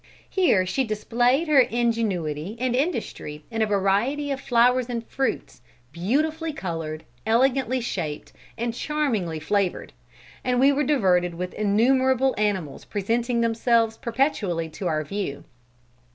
Here she displayed her ingenuity and industry in a variety of flowers and fruits, beautifully colored, elegantly shaped, and charmingly flavored; and we were diverted with innumerable animals presenting themselves perpetually to our view.